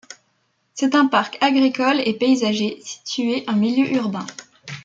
C'est un parc agricole et paysager situé en milieu urbain.